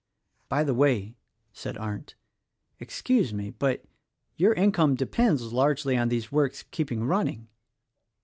"By the way," said Arndt, "excuse me; but your income depends largely on these works keeping running."